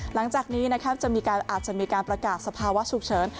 หลังจากนี้อาจจะมีการประกาศสภาวะฉุกเฉิน